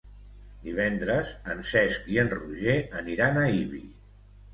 Divendres en Cesc i en Roger aniran a Ibi.